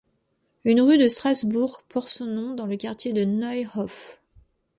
Une rue de Strasbourg porte son nom dans le quartier du Neuhof.